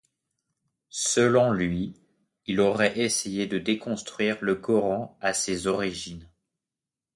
Selon lui, il aurait essayé de déconstruire le Coran à ses origines.